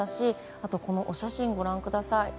あと、このお写真をご覧ください。